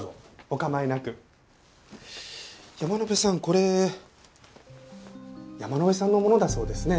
これ山野辺さんのものだそうですね。